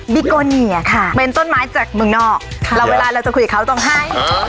ิโกเนียค่ะเป็นต้นไม้จากเมืองนอกเวลาเราจะคุยกับเขาต้องให้